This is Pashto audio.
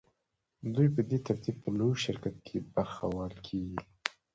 دوی په دې ترتیب په لوی شرکت کې برخوال کېږي